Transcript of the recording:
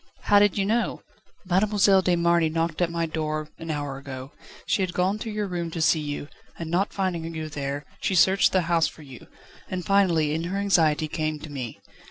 "How did you know?" "Mademoiselle de Marny knocked at my door an hour ago. She had gone to your room to see you, and, not finding you there, she searched the house for you, and finally, in her anxiety, came to me.